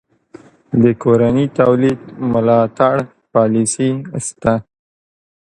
د کورني تولید ملاتړ پالیسي شته؟